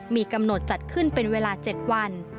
มีกำหนดจัดขึ้นเป็นเวลา๗วัน